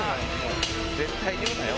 絶対言うなよ。